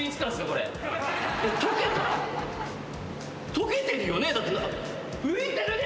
溶けてるよね？